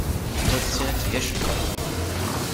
Ur tessin ad teg acemma.